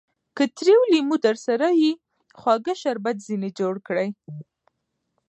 که تريو لېمو درسره يي؛ خواږه شربت ځني جوړ کړئ!